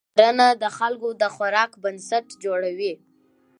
کرنه د خلکو د خوراک بنسټ جوړوي